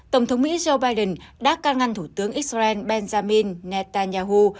tổng thống mỹ joe biden đã can ngăn thủ tướng israel benjamin netanyahu